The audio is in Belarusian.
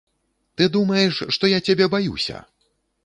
Ты думаеш, што я цябе баюся!